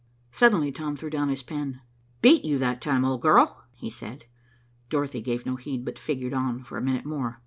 Suddenly Tom threw down his pen. "Beat you that time, old girl!" he said. Dorothy gave no heed, but figured on for a minute more.